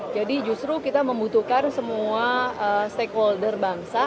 jadi justru kita membutuhkan semua stakeholder bangsa